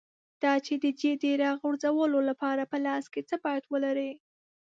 دا چې د جیټ د راغورځولو لپاره په لاس کې څه باید ولرې.